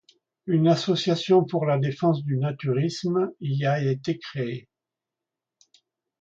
Une Association pour la Défense du Naturisme y a été créée.